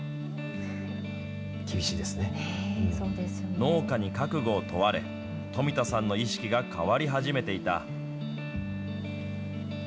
農家に覚悟を問われ、富田さんの意識が変わり始めていた。